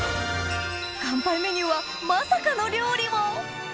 乾杯メニューはまさかの料理を！